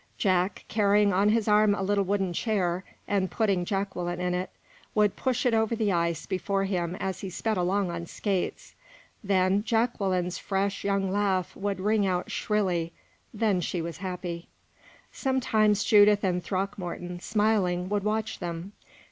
Jack, carrying on his arm a little wooden chair, and putting Jacqueline in it, would push it over the ice before him as he sped along on skates. Then Jacqueline's fresh, young laugh would ring out shrilly then she was happy. Sometimes Judith and Throckmorton, smiling, would watch them.